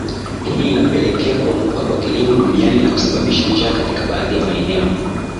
Hii imepelekea kuanguka kwa kilimo duniani na kusababisha njaa katika baadhi ya maeneo